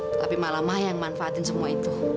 tapi malah maya yang manfaatin semua itu